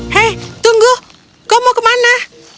hei tunggu kau mau kemana